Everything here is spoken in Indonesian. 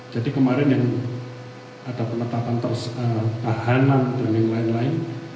jadi kemarin yang ada penetapan tahanan dan yang lain lain